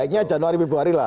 baiknya januari mibuari lah